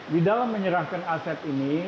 di dalam menyerahkan aset ini